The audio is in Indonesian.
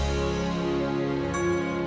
pantes ga ya